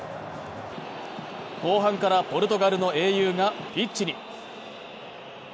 後半からポルトガルの英雄がピッチに。